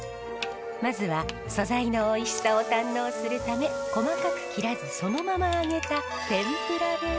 まずは素材のおいしさを堪能するため細かく切らずそのまま揚げた天ぷらです。